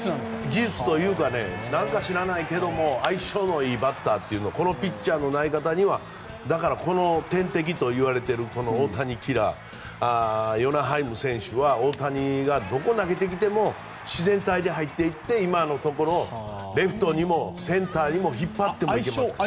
技術というか何か知らないけど相性のいいバッターというのはこのピッチャーの投げ方にはだから、この天敵といわれている大谷キラーヨナ・ハイム選手は大谷がどこに投げてきても自然体で入っていって今のところレフトにもセンターにも相性ってこと？